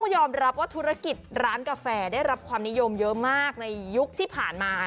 ยอมรับว่าธุรกิจร้านกาแฟได้รับความนิยมเยอะมากในยุคที่ผ่านมา